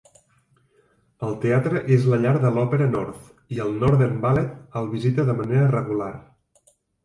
El teatre és la llar de l'Opera North i el Northern Ballet el visita de manera regular.